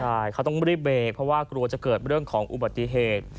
ใช่เขาต้องรีบเบรกเพราะว่ากลัวจะเกิดเรื่องของอุบัติเหตุ